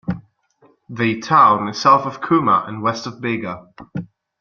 The town is south of Cooma and west of Bega.